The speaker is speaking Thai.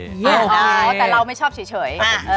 อ๋อแต่เราไม่ชอบเฉย